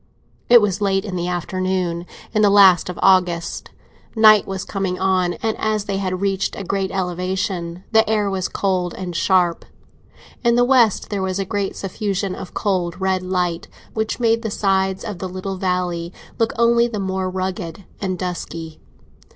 It was late in the afternoon, in the last of August; night was coming on, and, as they had reached a great elevation, the air was cold and sharp. In the west there was a great suffusion of cold, red light, which made the sides of the little valley look only the more rugged and dusky.